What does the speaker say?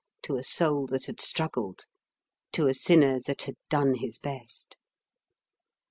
to a soul that had struggled, to a sinner that had done his best.